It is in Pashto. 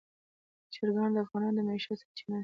چرګان د افغانانو د معیشت سرچینه ده.